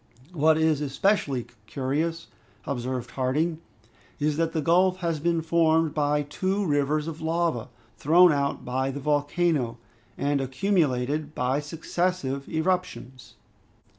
"What is especially curious," observed Harding, "is that the gulf has been formed by two rivers of lava, thrown out by the volcano, and accumulated by successive eruptions.